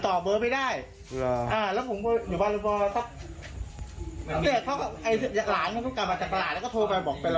แล้วผมอยู่บ้านรุงวาลแล้วเขากลับมาจากประหลาดแล้วก็โทรไปบอกเป็นแล้ว